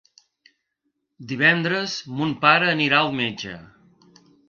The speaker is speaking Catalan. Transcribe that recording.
Divendres mon pare anirà al metge.